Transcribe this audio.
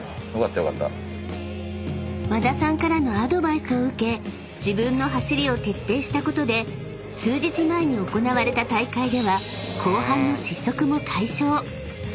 ［和田さんからのアドバイスを受け自分の走りを徹底したことで数日前に行われた大会では後半の失速も解消］